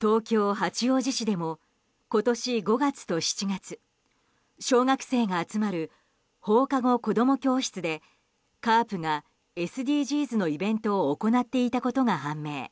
東京・八王子市でも今年５月と７月小学生が集まる放課後子供教室でＣＡＲＰがＳＤＧｓのイベントを行っていたことが判明。